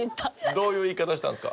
どういう言い方したんですか？